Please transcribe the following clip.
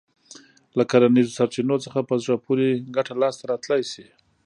له کرنیزو سرچينو څخه په زړه پورې ګټه لاسته راتلای شي.